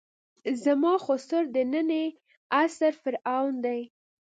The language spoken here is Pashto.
زما خُسر د نني عصر فرعون ده.